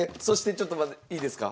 そしてちょっと待って。